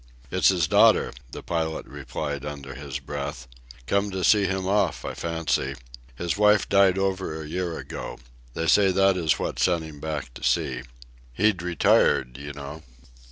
"It's his daughter," the pilot replied under his breath. "Come to see him off, I fancy. His wife died over a year ago. They say that is what sent him back to sea. He'd retired, you know."